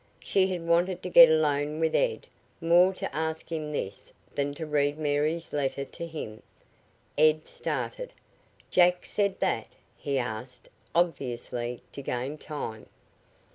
She had wanted to get alone with Ed more to ask him this than to read Mary's letter to him. Ed started. "Jack said that?" he asked, obviously to gain time.